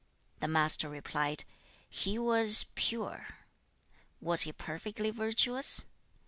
The Master replied, 'He was pure.' 'Was he perfectly virtuous?'